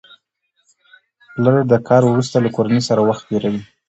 پلر د کار وروسته له کورنۍ سره وخت تېروي